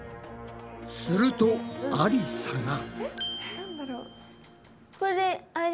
するとありさが。